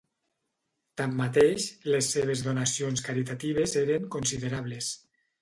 Tanmateix, les seves donacions caritatives eren considerables.